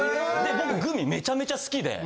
僕グミめちゃめちゃ好きで。